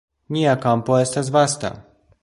Nia kampo estas vasta.